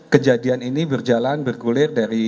kejadian ini berjalan bergulir dari